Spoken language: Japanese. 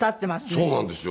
そうなんですよ